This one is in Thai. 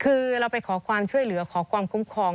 คือเราไปขอความช่วยเหลือขอความคุ้มครอง